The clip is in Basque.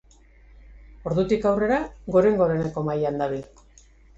Ordutik aurrera goren-goreneko mailan dabil.